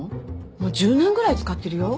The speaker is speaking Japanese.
もう１０年ぐらい使ってるよ。